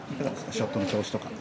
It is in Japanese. ショットの調子とか。